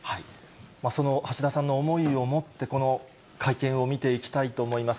その橋田さんの思いをもって、この会見を見ていきたいと思います。